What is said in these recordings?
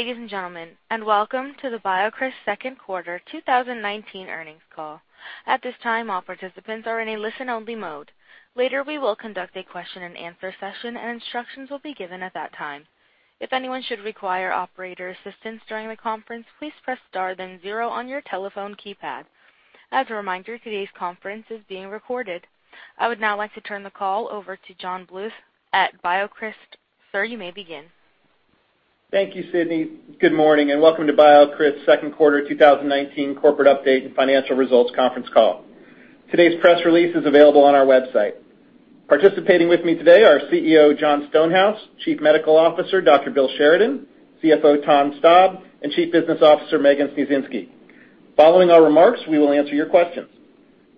Ladies and gentlemen, welcome to the BioCryst's second quarter 2019 earnings call. At this time, all participants are in a listen-only mode. Later, we will conduct a question and answer session, instructions will be given at that time. If anyone should require operator assistance during the conference, please press star then zero on your telephone keypad. As a reminder, today's conference is being recorded. I would now like to turn the call over to John Bluth at BioCryst. Sir, you may begin. Thank you, Sydney. Good morning and welcome to BioCryst's second quarter 2019 corporate update and financial results conference call. Today's press release is available on our website. Participating with me today are CEO, John Stonehouse, Chief Medical Officer, Dr. Bill Sheridan, CFO, Tom Staab, and Chief Business Officer, Megan Sniecinski. Following our remarks, we will answer your questions.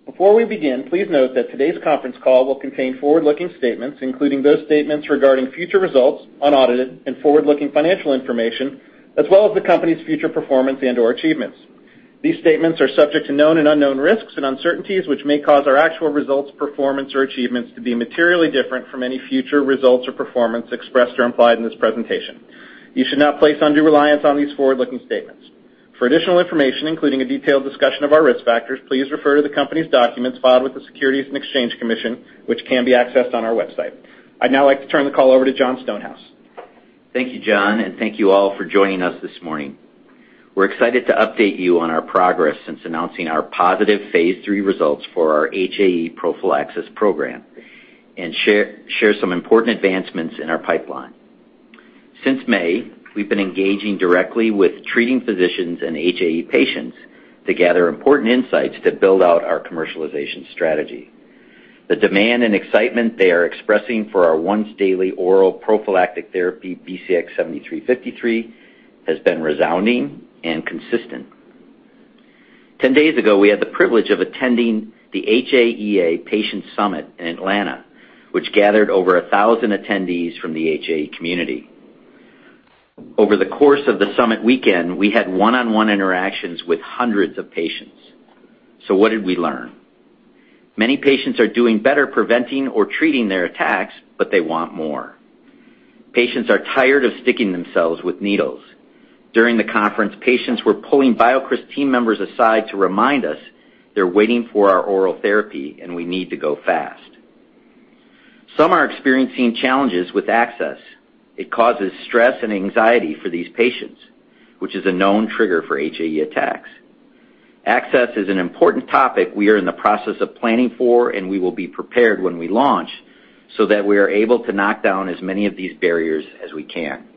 Before we begin, please note that today's conference call will contain forward-looking statements, including those statements regarding future results, unaudited and forward-looking financial information, as well as the company's future performance and/or achievements. These statements are subject to known and unknown risks and uncertainties, which may cause our actual results, performance, or achievements to be materially different from any future results or performance expressed or implied in this presentation. You should not place undue reliance on these forward-looking statements. For additional information, including a detailed discussion of our risk factors, please refer to the company's documents filed with the Securities and Exchange Commission, which can be accessed on our website. I'd now like to turn the call over to Jon Stonehouse. Thank you, John, and thank you all for joining us this morning. We're excited to update you on our progress since announcing our positive phase III results for our HAE prophylaxis program and share some important advancements in our pipeline. Since May, we've been engaging directly with treating physicians and HAE patients to gather important insights that build out our commercialization strategy. The demand and excitement they are expressing for our once-daily oral prophylactic therapy, BCX7353, has been resounding and consistent. 10 days ago, we had the privilege of attending the HAEA Patient Summit in Atlanta, which gathered over 1,000 attendees from the HAE community. Over the course of the summit weekend, we had one-on-one interactions with hundreds of patients. What did we learn? Many patients are doing better preventing or treating their attacks, but they want more. Patients are tired of sticking themselves with needles. During the conference, patients were pulling BioCryst team members aside to remind us they're waiting for our oral therapy, and we need to go fast. Some are experiencing challenges with access. It causes stress and anxiety for these patients, which is a known trigger for HAE attacks. Access is an important topic we are in the process of planning for, and we will be prepared when we launch so that we are able to knock down as many of these barriers as we can.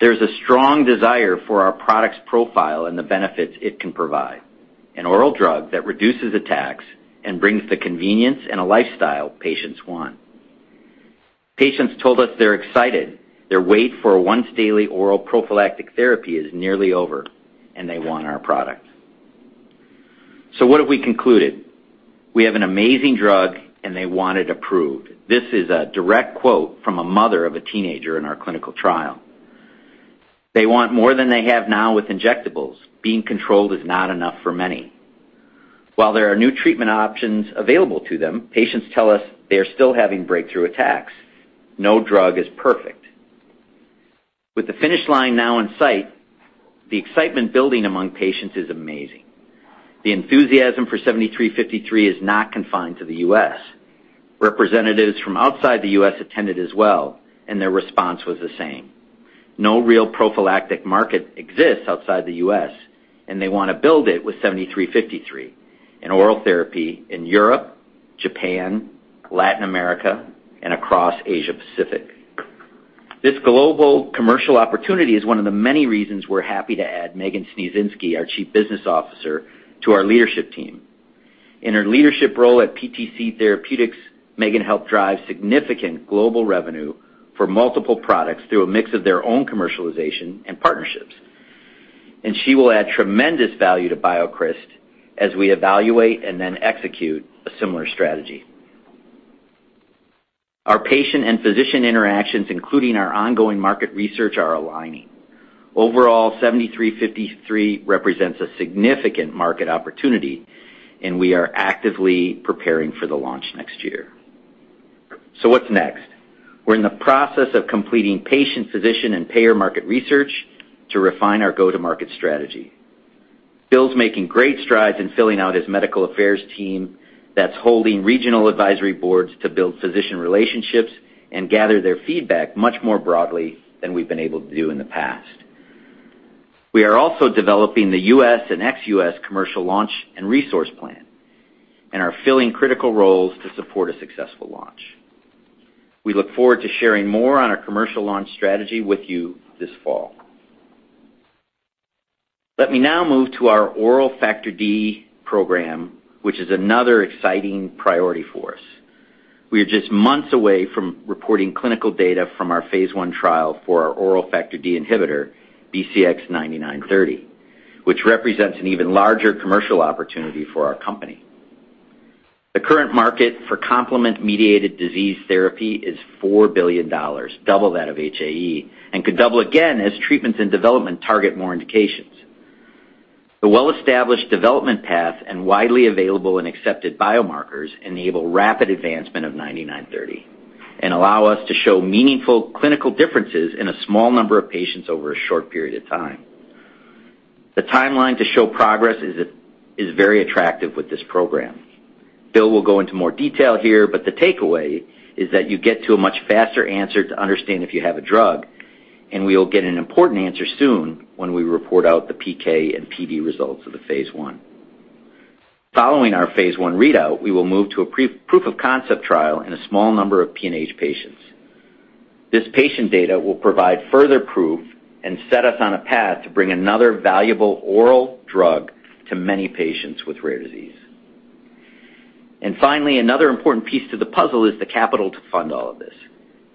There's a strong desire for our product's profile and the benefits it can provide. An oral drug that reduces attacks and brings the convenience and a lifestyle patients want. Patients told us they're excited. Their wait for a once daily oral prophylactic therapy is nearly over, and they want our product. What have we concluded? We have an amazing drug, and they want it approved. This is a direct quote from a mother of a teenager in our clinical trial. They want more than they have now with injectables. Being controlled is not enough for many. While there are new treatment options available to them, patients tell us they are still having breakthrough attacks. No drug is perfect. With the finish line now in sight, the excitement building among patients is amazing. The enthusiasm for BCX7353 is not confined to the U.S. Representatives from outside the U.S. attended as well. Their response was the same. No real prophylactic market exists outside the U.S. They want to build it with BCX7353, an oral therapy in Europe, Japan, Latin America, and across Asia Pacific. This global commercial opportunity is one of the many reasons we're happy to add Megan Sniecinski, our Chief Business Officer, to our leadership team. In her leadership role at PTC Therapeutics, Megan helped drive significant global revenue for multiple products through a mix of their own commercialization and partnerships. She will add tremendous value to BioCryst as we evaluate and then execute a similar strategy. Our patient and physician interactions, including our ongoing market research, are aligning. Overall, BCX7353 represents a significant market opportunity, and we are actively preparing for the launch next year. What's next? We're in the process of completing patient, physician, and payer market research to refine our go-to-market strategy. Bill's making great strides in filling out his medical affairs team that's holding regional advisory boards to build physician relationships and gather their feedback much more broadly than we've been able to do in the past. We are also developing the U.S. and ex-U.S. commercial launch and resource plan and are filling critical roles to support a successful launch. We look forward to sharing more on our commercial launch strategy with you this fall. Let me now move to our oral Factor D program, which is another exciting priority for us. We are just months away from reporting clinical data from our phase I trial for our oral Factor D inhibitor, BCX9930, which represents an even larger commercial opportunity for our company. The current market for complement-mediated disease therapy is $4 billion, double that of HAE, and could double again as treatments in development target more indications. The well-established development path and widely available and accepted biomarkers enable rapid advancement of BCX9930 and allow us to show meaningful clinical differences in a small number of patients over a short period of time. The timeline to show progress is very attractive with this program. Bill will go into more detail here, but the takeaway is that you get to a much faster answer to understand if you have a drug, and we will get an important answer soon when we report out the PK and PD results of the phase I. Following our phase I readout, we will move to a proof of concept trial in a small number of PNH patients. This patient data will provide further proof and set us on a path to bring another valuable oral drug to many patients with rare disease. Finally, another important piece to the puzzle is the capital to fund all of this.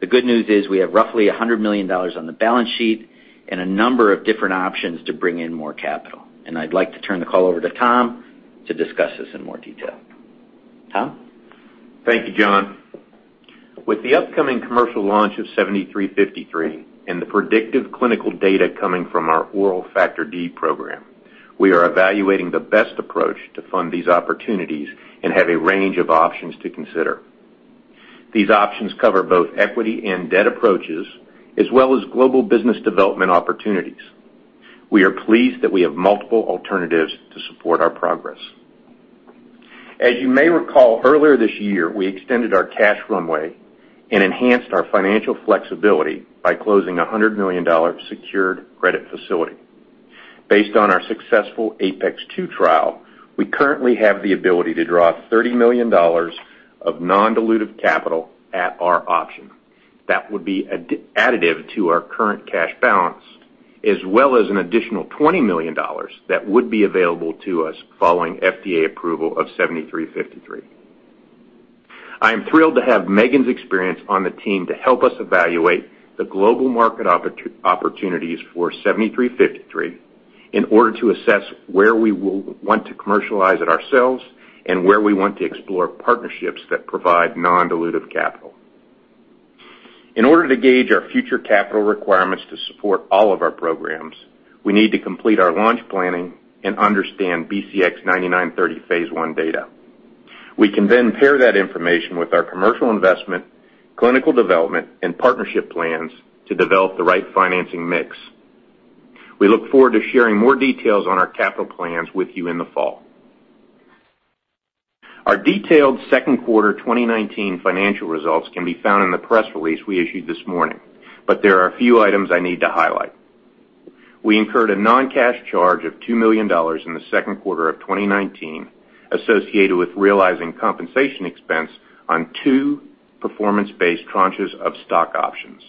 The good news is we have roughly $100 million on the balance sheet and a number of different options to bring in more capital. I'd like to turn the call over to Tom to discuss this in more detail. Tom? Thank you, John. With the upcoming commercial launch of BCX7353 and the predictive clinical data coming from our oral Factor D program, we are evaluating the best approach to fund these opportunities and have a range of options to consider. These options cover both equity and debt approaches, as well as global business development opportunities. We are pleased that we have multiple alternatives to support our progress. As you may recall, earlier this year, we extended our cash runway and enhanced our financial flexibility by closing a $100 million secured credit facility. Based on our successful APEX-2 trial, we currently have the ability to draw $30 million of non-dilutive capital at our option. That would be additive to our current cash balance, as well as an additional $20 million that would be available to us following FDA approval of BCX7353. I am thrilled to have Megan's experience on the team to help us evaluate the global market opportunities for BCX7353 in order to assess where we will want to commercialize it ourselves and where we want to explore partnerships that provide non-dilutive capital. In order to gauge our future capital requirements to support all of our programs, we need to complete our launch planning and understand BCX9930 phase I data. We can then pair that information with our commercial investment, clinical development, and partnership plans to develop the right financing mix. We look forward to sharing more details on our capital plans with you in the fall. Our detailed second quarter 2019 financial results can be found in the press release we issued this morning, but there are a few items I need to highlight. We incurred a non-cash charge of $2 million in the second quarter of 2019 associated with realizing compensation expense on two performance-based tranches of stock options.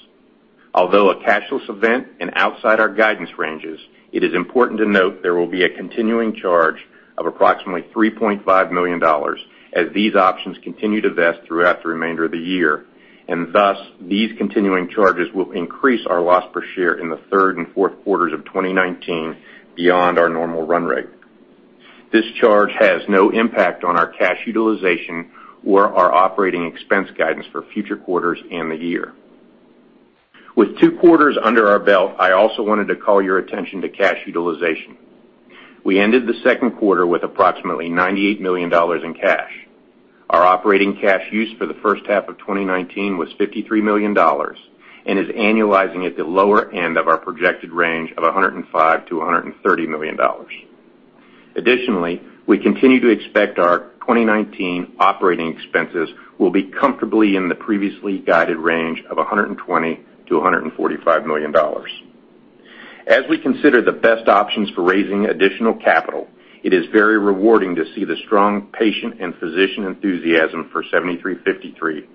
Although a cashless event and outside our guidance ranges, it is important to note there will be a continuing charge of approximately $3.5 million as these options continue to vest throughout the remainder of the year, and thus, these continuing charges will increase our loss per share in the third and fourth quarters of 2019 beyond our normal run rate. This charge has no impact on our cash utilization or our operating expense guidance for future quarters and the year. With two quarters under our belt, I also wanted to call your attention to cash utilization. We ended the second quarter with approximately $98 million in cash. Our operating cash use for the first half of 2019 was $53 million and is annualizing at the lower end of our projected range of $105 million-$130 million. Additionally, we continue to expect our 2019 operating expenses will be comfortably in the previously guided range of $120 million-$145 million. As we consider the best options for raising additional capital, it is very rewarding to see the strong patient and physician enthusiasm for BCX7353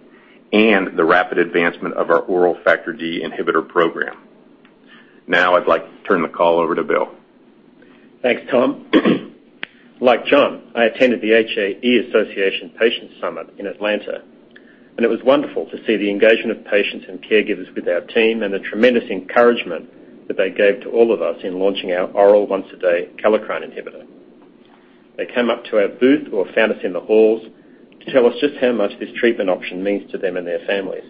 and the rapid advancement of our oral Factor D inhibitor program. Now, I'd like to turn the call over to Bill. Thanks, Tom. Like John, I attended the HAE Association Patient Summit in Atlanta, it was wonderful to see the engagement of patients and caregivers with our team and the tremendous encouragement that they gave to all of us in launching our oral once-a-day kallikrein inhibitor. They came up to our booth or found us in the halls to tell us just how much this treatment option means to them and their families.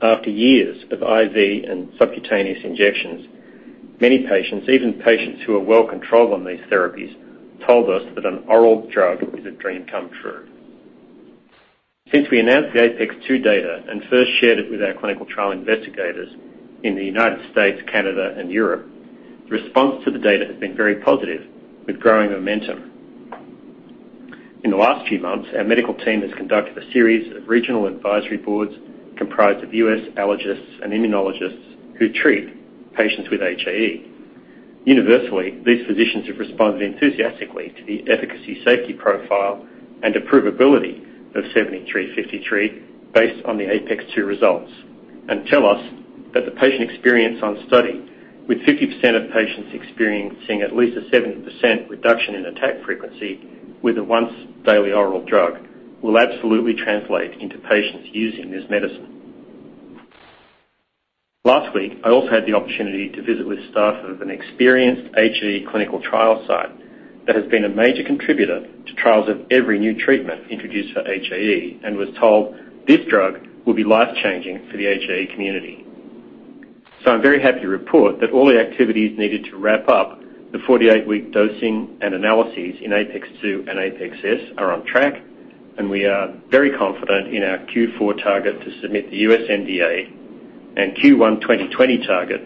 After years of IV and subcutaneous injections, many patients, even patients who are well-controlled on these therapies, told us that an oral drug is a dream come true. Since we announced the APEX-2 data and first shared it with our clinical trial investigators in the U.S., Canada, and Europe, the response to the data has been very positive, with growing momentum. In the last few months, our medical team has conducted a series of regional advisory boards comprised of U.S. allergists and immunologists who treat patients with HAE. Universally, these physicians have responded enthusiastically to the efficacy, safety profile, and approvability of 7353 based on the APEX-2 results and tell us that the patient experience on study with 50% of patients experiencing at least a 70% reduction in attack frequency with a once-daily oral drug will absolutely translate into patients using this medicine. Last week, I also had the opportunity to visit with staff of an experienced HAE clinical trial site that has been a major contributor to trials of every new treatment introduced for HAE and was told this drug will be life-changing for the HAE community. I'm very happy to report that all the activities needed to wrap up the 48-week dosing and analyses in APEX-2 and APEX-S are on track, and we are very confident in our Q4 target to submit the U.S. NDA and Q1 2020 target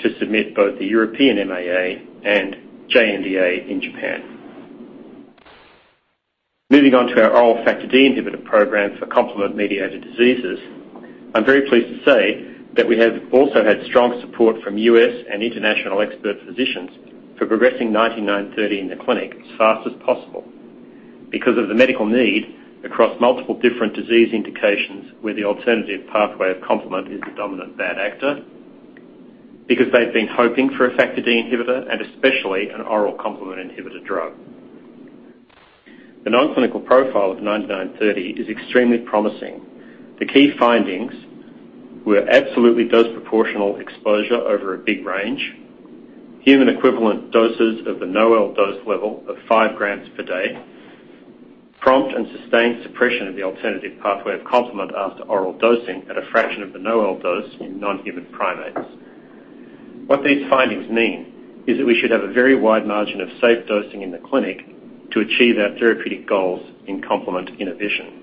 to submit both the European MAA and JNDA in Japan. Moving on to our oral Factor D inhibitor program for complement mediated diseases, I'm very pleased to say that we have also had strong support from U.S. and international expert physicians for progressing 9930 in the clinic as fast as possible because of the medical need across multiple different disease indications, where the alternative pathway of complement is the dominant bad actor, because they've been hoping for a Factor D inhibitor and especially an oral complement inhibitor drug. The non-clinical profile of 9930 is extremely promising. The key findings were absolutely dose proportional exposure over a big range. Human equivalent doses of the NOEL dose level of 5 grams per day, prompt and sustained suppression of the alternative pathway of complement after oral dosing at a fraction of the NOEL dose in non-human primates. What these findings mean is that we should have a very wide margin of safe dosing in the clinic to achieve our therapeutic goals in complement inhibition. The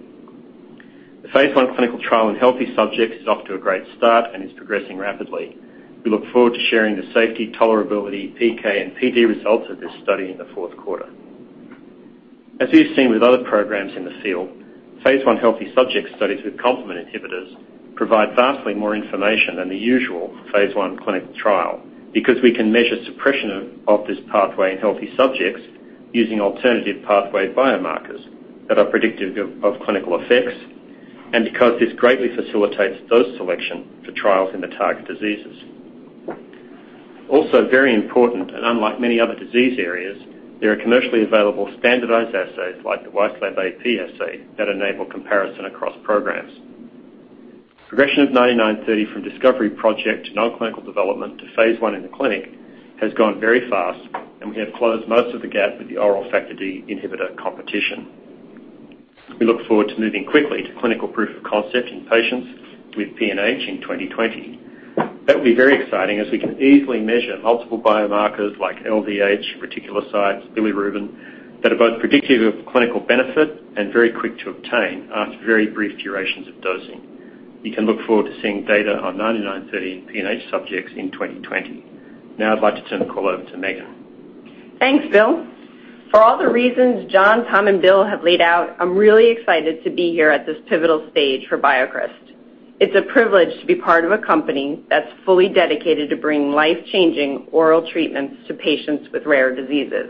phase I clinical trial in healthy subjects is off to a great start and is progressing rapidly. We look forward to sharing the safety, tolerability, PK, and PD results of this study in the fourth quarter. As we've seen with other programs in the field, phase I healthy subjects studies with complement inhibitors provide vastly more information than the usual phase I clinical trial, because we can measure suppression of this pathway in healthy subjects using alternative pathway biomarkers that are predictive of clinical effects, and because this greatly facilitates dose selection for trials in the target diseases. Very important, and unlike many other disease areas, there are commercially available standardized assays like the Wieslab AP assay that enable comparison across programs. Progression of 9930 from discovery project to non-clinical development to phase I in the clinic has gone very fast, and we have closed most of the gap with the oral Factor D inhibitor competition. We look forward to moving quickly to clinical proof of concept in patients with PNH in 2020. That will be very exciting as we can easily measure multiple biomarkers like LDH, reticulocytes, bilirubin, that are both predictive of clinical benefit and very quick to obtain after very brief durations of dosing. You can look forward to seeing data on 9930 in PNH subjects in 2020. Now I'd like to turn the call over to Megan. Thanks, Bill. For all the reasons Jon, Tom, and Bill have laid out, I'm really excited to be here at this pivotal stage for BioCryst. It's a privilege to be part of a company that's fully dedicated to bring life-changing oral treatments to patients with rare diseases.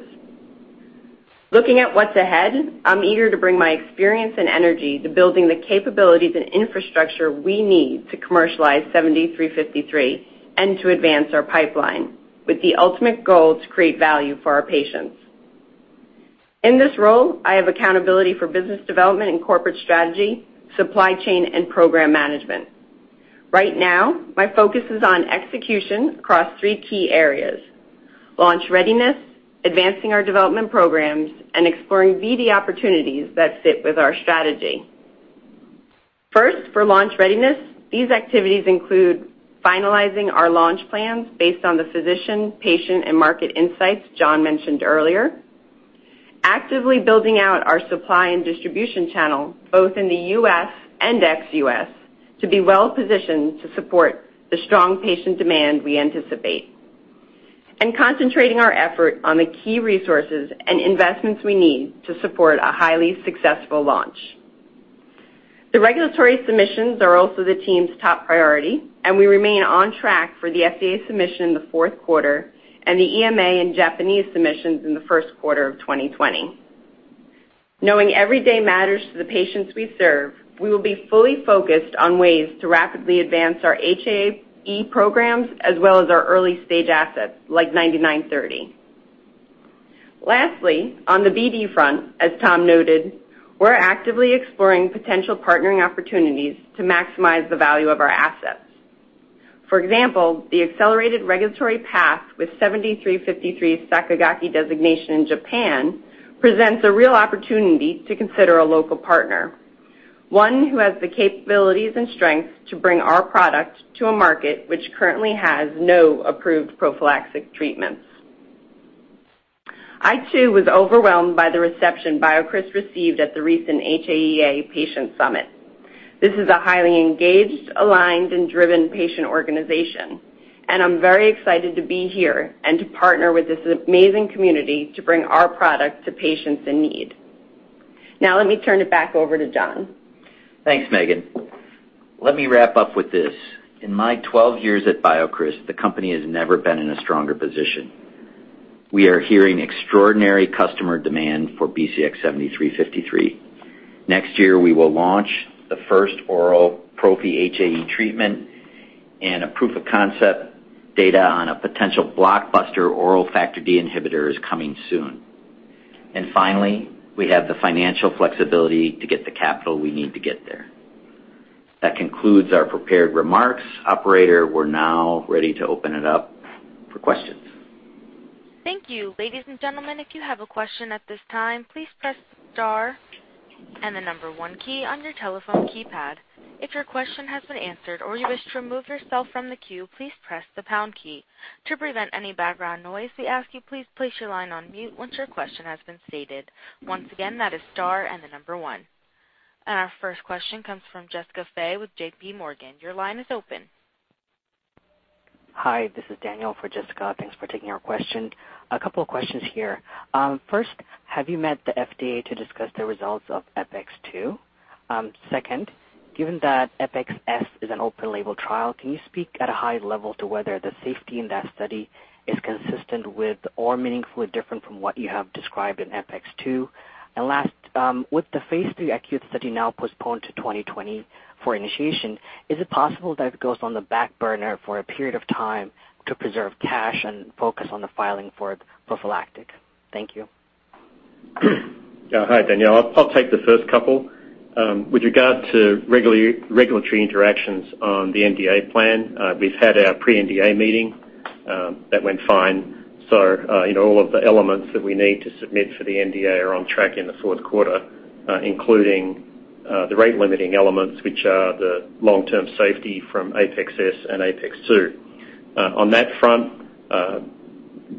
Looking at what's ahead, I'm eager to bring my experience and energy to building the capabilities and infrastructure we need to commercialize BCX7353 and to advance our pipeline with the ultimate goal to create value for our patients. In this role, I have accountability for business development and corporate strategy, supply chain, and program management. Right now, my focus is on execution across three key areas: launch readiness, advancing our development programs, and exploring BD opportunities that fit with our strategy. First, for launch readiness, these activities include finalizing our launch plans based on the physician, patient, and market insights Jon mentioned earlier, actively building out our supply and distribution channel, both in the U.S. and ex-U.S., to be well-positioned to support the strong patient demand we anticipate. Concentrating our effort on the key resources and investments we need to support a highly successful launch. The regulatory submissions are also the team's top priority, and we remain on track for the FDA submission in the fourth quarter and the EMA and Japanese submissions in the first quarter of 2020. Knowing every day matters to the patients we serve, we will be fully focused on ways to rapidly advance our HAE programs as well as our early-stage assets like 9930. Lastly, on the BD front, as Tom noted, we're actively exploring potential partnering opportunities to maximize the value of our assets. For example, the accelerated regulatory path with BCX7353's Sakigake designation in Japan presents a real opportunity to consider a local partner, one who has the capabilities and strengths to bring our product to a market which currently has no approved prophylactic treatments. I too was overwhelmed by the reception BioCryst received at the recent HAEA Patient Summit. This is a highly engaged, aligned, and driven patient organization, and I'm very excited to be here and to partner with this amazing community to bring our product to patients in need. Now, let me turn it back over to Jon. Thanks, Megan. Let me wrap up with this. In my 12 years at BioCryst, the company has never been in a stronger position. We are hearing extraordinary customer demand for BCX7353. Next year, we will launch the first oral prophy HAE treatment, a proof of concept data on a potential blockbuster oral Factor D inhibitor is coming soon. Finally, we have the financial flexibility to get the capital we need to get there. That concludes our prepared remarks. Operator, we're now ready to open it up for questions. Thank you. Ladies and gentlemen, if you have a question at this time, please press star and the number 1 key on your telephone keypad. If your question has been answered or you wish to remove yourself from the queue, please press the pound key. To prevent any background noise, we ask you please place your line on mute once your question has been stated. Once again, that is star and the number 1. Our first question comes from Jessica Fye with JPMorgan. Your line is open. Hi, this is Daniel for Jessica. Thanks for taking our question. A couple of questions here. First, have you met the FDA to discuss the results of APEX-2? Second, given that APEX-S is an open label trial, can you speak at a high level to whether the safety in that study is consistent with or meaningfully different from what you have described in APEX-2? Last, with the phase III acute study now postponed to 2020 for initiation, is it possible that it goes on the back burner for a period of time to preserve cash and focus on the filing for prophylactic? Thank you. Yeah. Hi, Daniel. I'll take the first couple. With regard to regulatory interactions on the NDA plan, we've had our pre-NDA meeting. That went fine. All of the elements that we need to submit for the NDA are on track in the fourth quarter, including the rate-limiting elements, which are the long-term safety from APEX-S and APEX-2. On that front,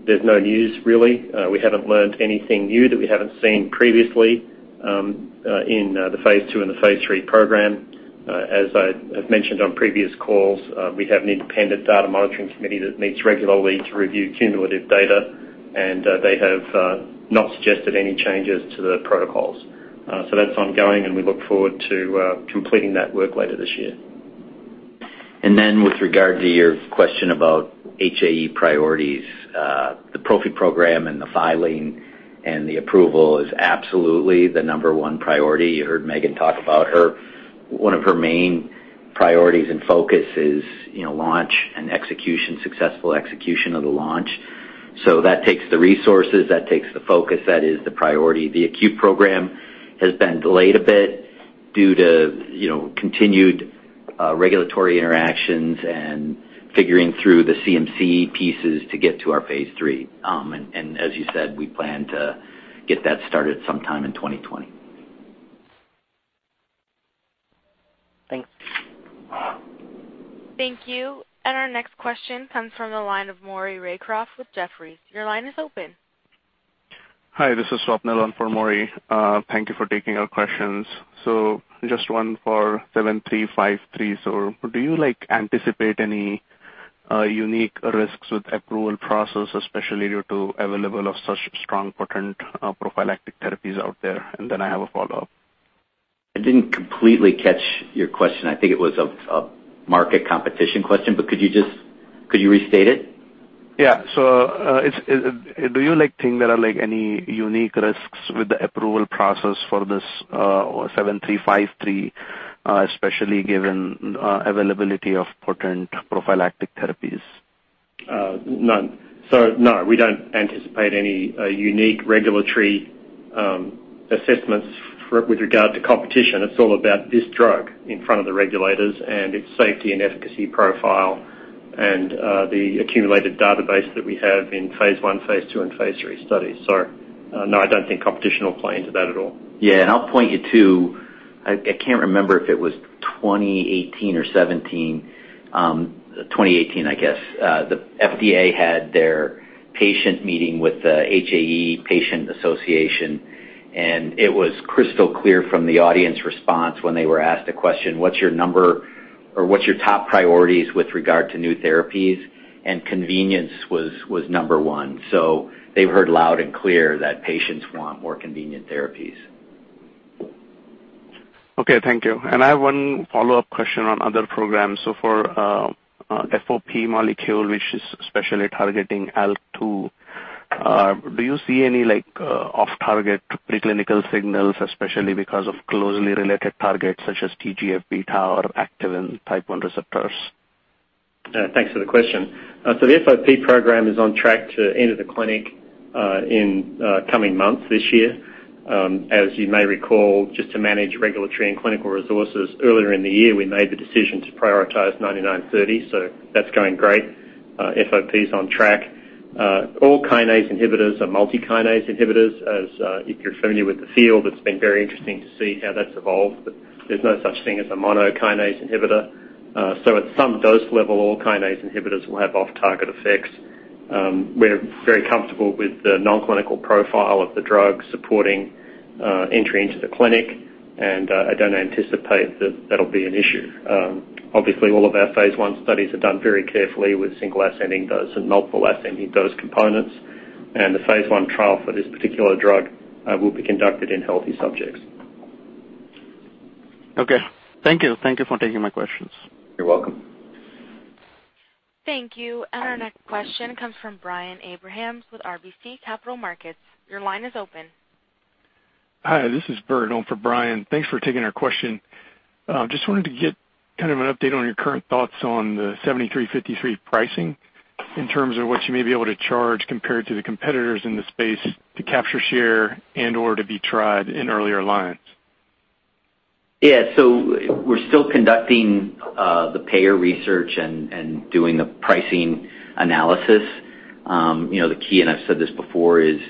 there's no news really. We haven't learned anything new that we haven't seen previously in the phase II and the phase III program. As I have mentioned on previous calls, we have an independent data monitoring committee that meets regularly to review cumulative data, and they have not suggested any changes to the protocols. That's ongoing, and we look forward to completing that work later this year. With regard to your question about HAE priorities, the prophy program and the filing and the approval is absolutely the number one priority. You heard Megan talk about one of her main priorities and focus is launch and successful execution of the launch. That takes the resources, that takes the focus, that is the priority. The acute program has been delayed a bit due to continued regulatory interactions and figuring through the CMC pieces to get to our phase III. As you said, we plan to get that started sometime in 2020. Thanks. Thank you. Our next question comes from the line of Maury Raycroft with Jefferies. Your line is open. Hi, this is Swapnil on for Maury. Thank you for taking our questions. Just one for BCX7353. Do you anticipate any unique risks with approval process, especially due to availability of such strong potent prophylactic therapies out there? I have a follow-up. I didn't completely catch your question. I think it was a market competition question, but could you restate it? Yeah. Do you think there are any unique risks with the approval process for this 7353, especially given availability of potent prophylactic therapies? None. No, we don't anticipate any unique regulatory assessments with regard to competition. It's all about this drug in front of the regulators and its safety and efficacy profile and the accumulated database that we have in phase I, phase II, and phase III studies. No, I don't think competition will play into that at all. Yeah. I'll point you to I can't remember if it was 2018 or 2017. 2018, I guess. The FDA had their patient meeting with the HAE patient association. It was crystal clear from the audience response when they were asked a question, "What's your top priorities with regard to new therapies?" Convenience was number one. They've heard loud and clear that patients want more convenient therapies. Okay, thank you. I have one follow-up question on other programs. For FOP molecule, which is specially targeting ALK2, do you see any off-target preclinical signals, especially because of closely related targets such as TGF-beta or activin type 1 receptors? Thanks for the question. The FOP program is on track to enter the clinic in coming months this year. As you may recall, just to manage regulatory and clinical resources, earlier in the year, we made the decision to prioritize BCX9930. That's going great. FOP is on track. All kinase inhibitors are multikinase inhibitors. If you're familiar with the field, it's been very interesting to see how that's evolved, but there's no such thing as a monokinase inhibitor. At some dose level, all kinase inhibitors will have off-target effects. We're very comfortable with the nonclinical profile of the drug supporting entry into the clinic, and I don't anticipate that that'll be an issue. Obviously, all of our phase I studies are done very carefully with single ascending dose and multiple ascending dose components. The phase I trial for this particular drug will be conducted in healthy subjects. Okay. Thank you. Thank you for taking my questions. You're welcome. Thank you. Our next question comes from Brian Abrahams with RBC Capital Markets. Your line is open. Hi, this is Burt on for Brian. Thanks for taking our question. Just wanted to get an update on your current thoughts on the BCX7353 pricing in terms of what you may be able to charge compared to the competitors in the space to capture share and or to be tried in earlier lines. Yeah. We're still conducting the payer research and doing the pricing analysis. The key, and I've said this before, is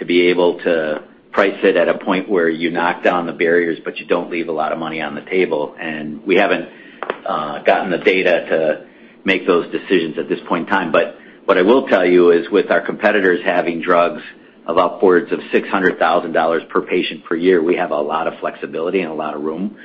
to be able to price it at a point where you knock down the barriers, but you don't leave a lot of money on the table. We haven't gotten the data to make those decisions at this point in time. What I will tell you is with our competitors having drugs of upwards of $600,000 per patient per year, we have a lot of flexibility and a lot of room,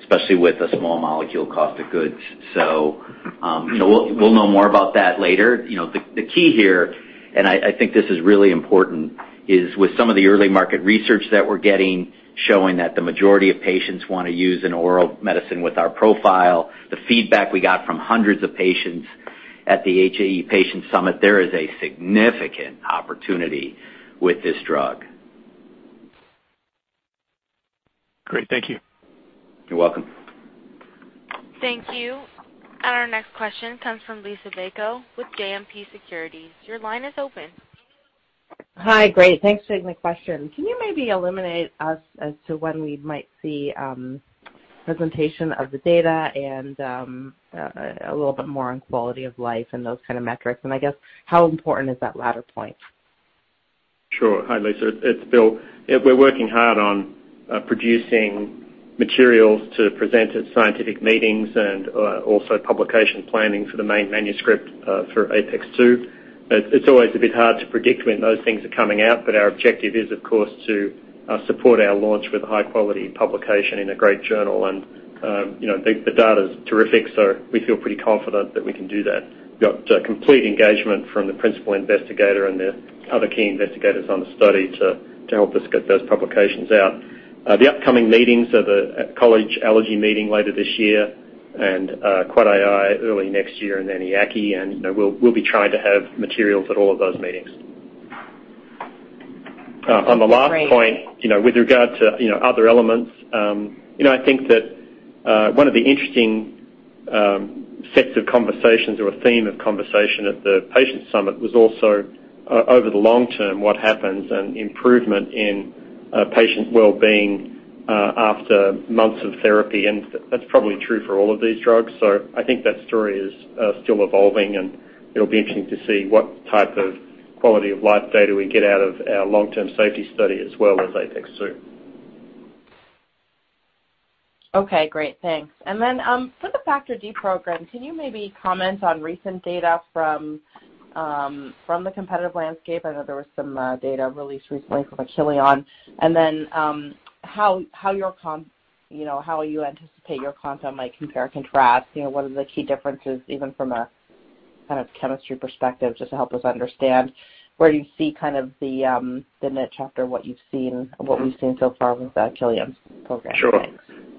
especially with a small molecule cost of goods. We'll know more about that later. The key here, and I think this is really important, is with some of the early market research that we're getting, showing that the majority of patients want to use an oral medicine with our profile, the feedback we got from hundreds of patients at the HAE Patient Summit, there is a significant opportunity with this drug. Great. Thank you. You're welcome. Thank you. Our next question comes from Liisa Bayko with JMP Securities. Your line is open. Hi. Great. Thanks for taking my question. Can you maybe illuminate us as to when we might see presentation of the data and a little bit more on quality of life and those kind of metrics? I guess how important is that latter point? Sure. Hi, Lisa, it's Bill. We're working hard on producing materials to present at scientific meetings and also publication planning for the main manuscript for APEX-2. It's always a bit hard to predict when those things are coming out, but our objective is, of course, to support our launch with a high-quality publication in a great journal. The data's terrific, so we feel pretty confident that we can do that. Got complete engagement from the principal investigator and the other key investigators on the study to help us get those publications out. The upcoming meetings are the College Allergy Meeting later this year, and Jon Stonehouse early next year, and then EAACI, and we'll be trying to have materials at all of those meetings. That's great. On the last point, with regard to other elements, I think that one of the interesting sets of conversations or a theme of conversation at the patient summit was also over the long term, what happens and improvement in patient wellbeing after months of therapy, and that's probably true for all of these drugs. I think that story is still evolving, and it'll be interesting to see what type of quality of life data we get out of our long-term safety study, as well as APEX-2. Okay, great. Thanks. For the Factor D program, can you maybe comment on recent data from the competitive landscape? I know there was some data released recently from Achillion. How you anticipate your compound might compare and contrast, what are the key differences, even from a kind of chemistry perspective, just to help us understand where you see the niche after what we've seen so far with Achillion's program?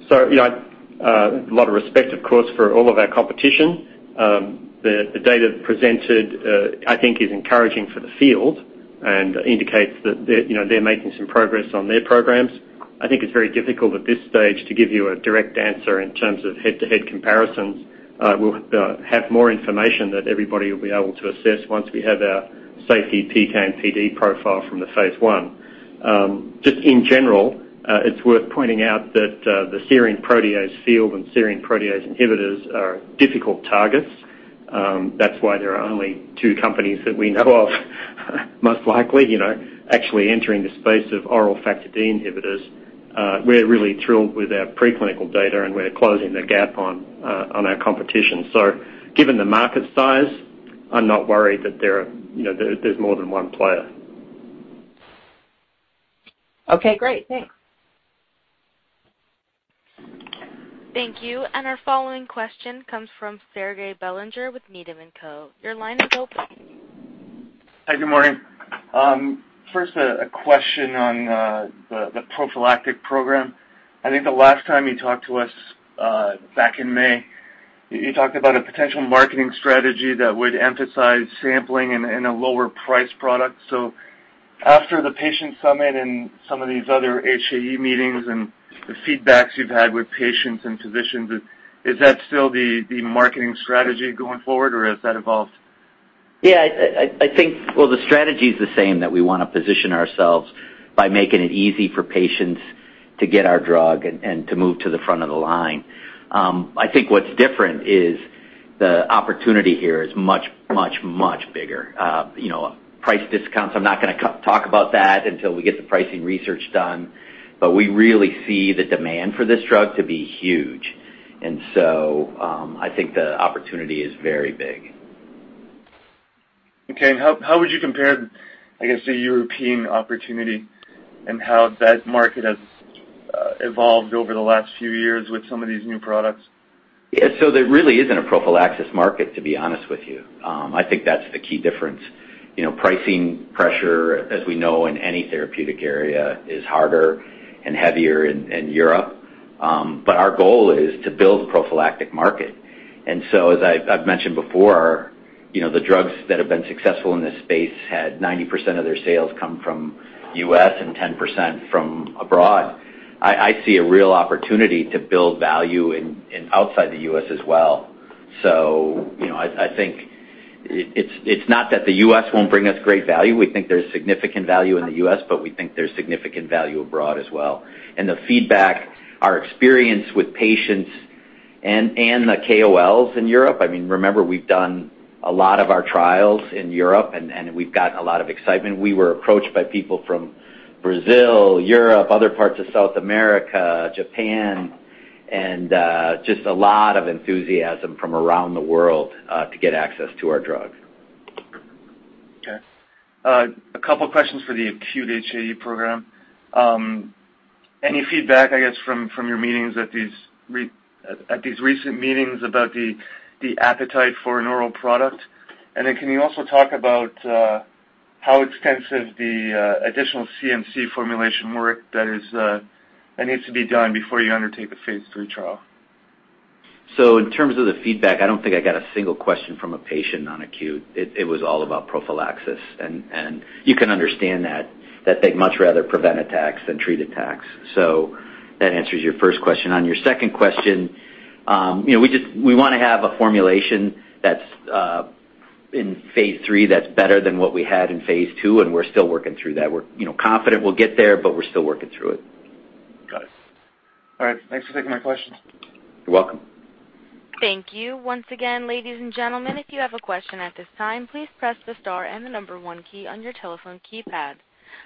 Sure. A lot of respect, of course, for all of our competition. The data presented I think is encouraging for the field and indicates that they're making some progress on their programs. I think it's very difficult at this stage to give you a direct answer in terms of head-to-head comparisons. We'll have more information that everybody will be able to assess once we have our safety PK and PD profile from the phase I. Just in general, it's worth pointing out that the serine protease field and serine protease inhibitors are difficult targets. That's why there are only two companies that we know of most likely, actually entering the space of oral Factor D inhibitors. We're really thrilled with our preclinical data, and we're closing the gap on our competition. Given the market size, I'm not worried that there's more than one player. Okay, great. Thanks. Thank you. Our following question comes from Serge Belanger with Needham & Co. Your line is open. Hi, good morning. First, a question on the prophylactic program. I think the last time you talked to us back in May, you talked about a potential marketing strategy that would emphasize sampling in a lower price product. After the patient summit and some of these other HAE meetings and the feedbacks you've had with patients and physicians, is that still the marketing strategy going forward, or has that evolved? I think, well, the strategy is the same, that we want to position ourselves by making it easy for patients to get our drug and to move to the front of the line. I think what's different is the opportunity here is much, much, much bigger. Price discounts, I'm not going to talk about that until we get the pricing research done, but we really see the demand for this drug to be huge. I think the opportunity is very big. Okay, how would you compare, I guess, the European opportunity and how that market has evolved over the last few years with some of these new products? Yeah. There really isn't a prophylaxis market, to be honest with you. I think that's the key difference. Pricing pressure, as we know in any therapeutic area, is harder and heavier in Europe. Our goal is to build a prophylactic market. As I've mentioned before, the drugs that have been successful in this space had 90% of their sales come from U.S. and 10% from abroad. I see a real opportunity to build value outside the U.S. as well. I think It's not that the U.S. won't bring us great value. We think there's significant value in the U.S., but we think there's significant value abroad as well. The feedback, our experience with patients and the KOLs in Europe, remember we've done a lot of our trials in Europe, and we've gotten a lot of excitement. We were approached by people from Brazil, Europe, other parts of South America, Japan, and just a lot of enthusiasm from around the world to get access to our drug. Okay. A couple questions for the acute HAE program. Any feedback, I guess, from your meetings at these recent meetings about the appetite for an oral product? Can you also talk about how extensive the additional CMC formulation work that needs to be done before you undertake the phase III trial? In terms of the feedback, I don't think I got a single question from a patient on acute. It was all about prophylaxis. You can understand that they'd much rather prevent attacks than treat attacks. That answers your first question. On your second question, we want to have a formulation that's in phase III that's better than what we had in phase II, and we're still working through that. We're confident we'll get there, but we're still working through it. Got it. All right. Thanks for taking my questions. You're welcome. Thank you. Once again, ladies and gentlemen, if you have a question at this time, please press the star and the number one key on your telephone keypad.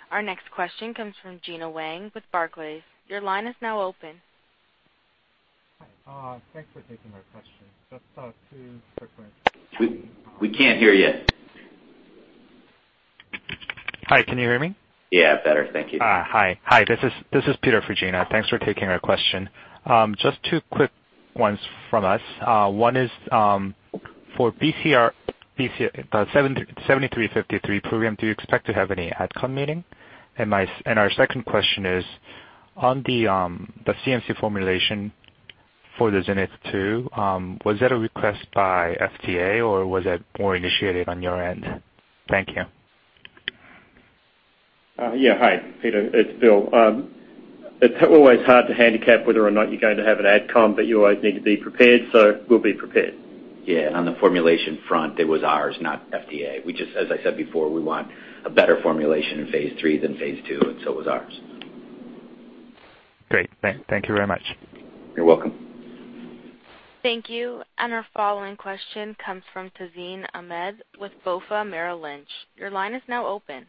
Our next question comes from Gena Wang with Barclays. Your line is now open. Hi. Thanks for taking my question. Just two quick ones. We can't hear you. Hi, can you hear me? Yeah, better. Thank you. All right. Hi, this is Peter for Gena. Thanks for taking our question. Just two quick ones from us. One is, for BCX, the BCX7353 program, do you expect to have any Ad Com meeting? Our second question is, on the CMC formulation for the ZENITH-1, was that a request by FDA, or was that more initiated on your end? Thank you. Yeah. Hi, Peter. It's Bill. It's always hard to handicap whether or not you're going to have an Ad Com, but you always need to be prepared, so we'll be prepared. Yeah, on the formulation front, it was ours, not FDA. As I said before, we want a better formulation in phase III than phase II, and so it was ours. Great. Thank you very much. You're welcome. Thank you. Our following question comes from Tazeen Ahmad with BofA Merrill Lynch. Your line is now open.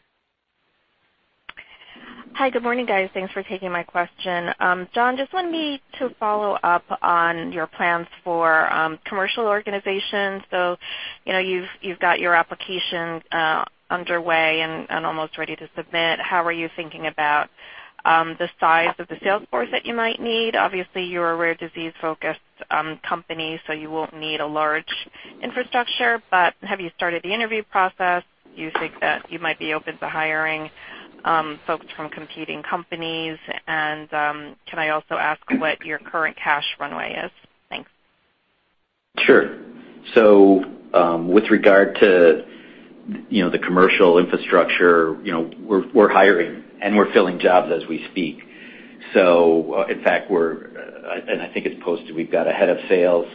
Hi. Good morning, guys. Thanks for taking my question. Jon, just wanted to follow up on your plans for commercial organization. You've got your application underway and almost ready to submit. How are you thinking about the size of the sales force that you might need? Obviously, you're a rare disease-focused company, so you won't need a large infrastructure. Have you started the interview process? Do you think that you might be open to hiring folks from competing companies? Can I also ask what your current cash runway is? Thanks. Sure. With regard to the commercial infrastructure, we're hiring and we're filling jobs as we speak. In fact, and I think it's posted, we've got a head of sales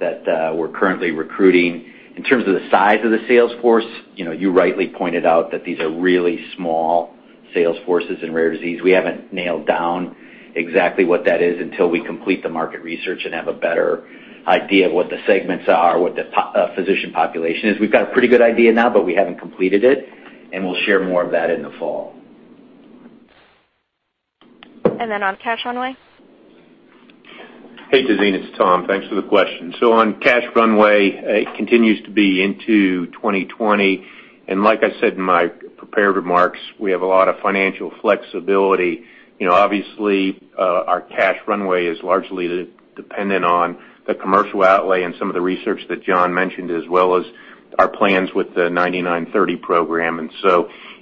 that we're currently recruiting. In terms of the size of the sales force, you rightly pointed out that these are really small sales forces in rare disease. We haven't nailed down exactly what that is until we complete the market research and have a better idea of what the segments are, what the physician population is. We've got a pretty good idea now, but we haven't completed it, and we'll share more of that in the fall. Then on cash runway? Hey, Tazeen, it's Tom. Thanks for the question. On cash runway, it continues to be into 2020, and like I said in my prepared remarks, we have a lot of financial flexibility. Obviously, our cash runway is largely dependent on the commercial outlay and some of the research that Jon mentioned, as well as our plans with the BCX9930 program.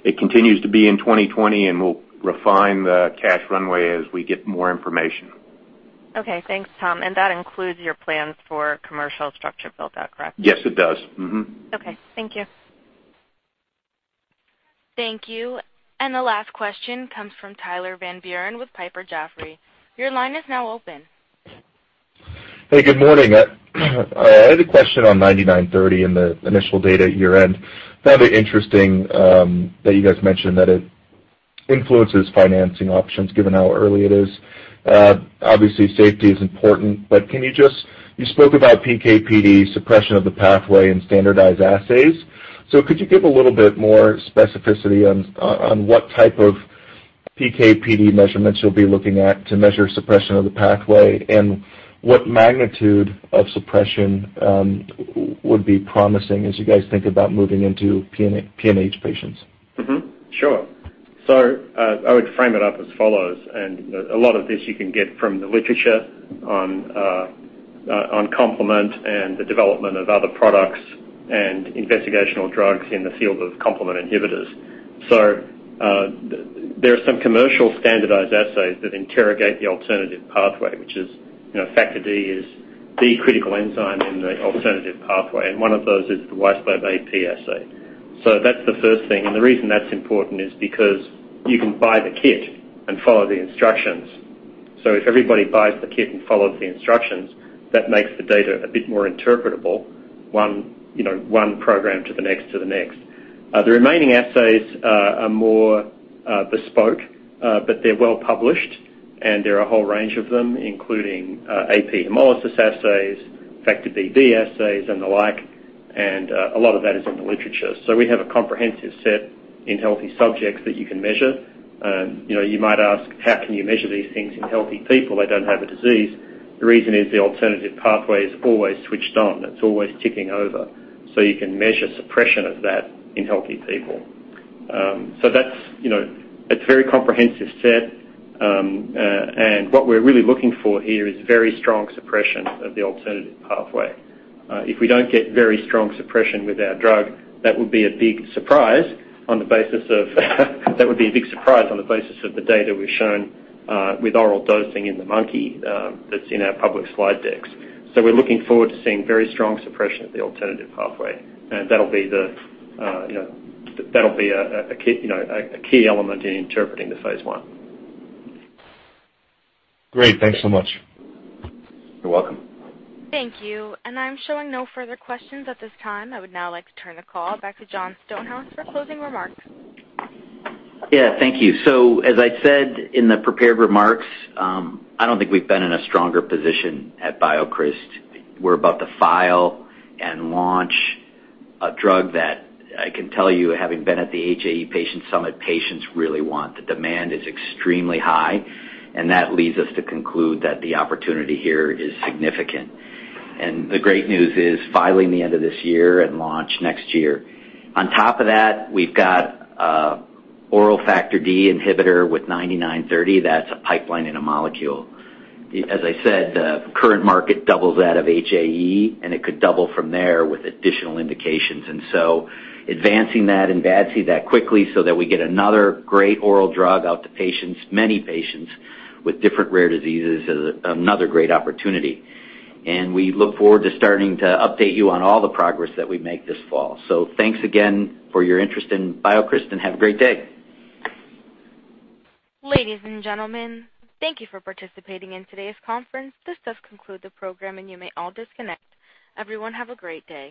It continues to be in 2020, and we'll refine the cash runway as we get more information. Okay. Thanks, Tom. That includes your plans for commercial structure build-out, correct? Yes, it does. Okay. Thank you. Thank you. The last question comes from Tyler Van Buren with Piper Jaffray. Your line is now open. Hey, good morning. I had a question on BCX9930 and the initial data at year-end. Found it interesting that you guys mentioned that it influences financing options given how early it is. Obviously, safety is important, but you spoke about PK/PD, suppression of the pathway, and standardized assays. Could you give a little bit more specificity on what type of PK/PD measurements you'll be looking at to measure suppression of the pathway, and what magnitude of suppression would be promising as you guys think about moving into PNH patients? Sure. I would frame it up as follows, and a lot of this you can get from the literature on complement and the development of other products and investigational drugs in the field of complement inhibitors. There are some commercial standardized assays that interrogate the alternative pathway, which is Factor D is the critical enzyme in the alternative pathway, and one of those is the Wieslab AP assay. That's the first thing. The reason that's important is because you can buy the kit and follow the instructions If everybody buys the kit and follows the instructions, that makes the data a bit more interpretable, one program to the next, to the next. The remaining assays are more bespoke, but they're well-published, and there are a whole range of them, including AP hemolysis assays, factor Bb assays, and the like, and a lot of that is in the literature. We have a comprehensive set in healthy subjects that you can measure. You might ask, "How can you measure these things in healthy people? They don't have a disease." The reason is the alternative pathway is always switched on. It's always ticking over. You can measure suppression of that in healthy people. That's a very comprehensive set, and what we're really looking for here is very strong suppression of the alternative pathway. If we don't get very strong suppression with our drug, that would be a big surprise on the basis of the data we've shown with oral dosing in the monkey that's in our public slide decks. We're looking forward to seeing very strong suppression of the alternative pathway, and that'll be a key element in interpreting the phase I. Great. Thanks so much. You're welcome. Thank you. I'm showing no further questions at this time. I would now like to turn the call back to Jon Stonehouse for closing remarks. Yeah. Thank you. As I said in the prepared remarks, I don't think we've been in a stronger position at BioCryst. We're about to file and launch a drug that I can tell you, having been at the HAE Patient Summit, patients really want. The demand is extremely high, that leads us to conclude that the opportunity here is significant. The great news is filing the end of this year and launch next year. On top of that, we've got a oral Factor D inhibitor with BCX9930. That's a pipeline in a molecule. As I said, the current market doubles that of HAE, it could double from there with additional indications. Advancing that and advance that quickly so that we get another great oral drug out to patients, many patients with different rare diseases is another great opportunity. We look forward to starting to update you on all the progress that we make this fall. Thanks again for your interest in BioCryst, and have a great day. Ladies and gentlemen, thank you for participating in today's conference. This does conclude the program, and you may all disconnect. Everyone, have a great day.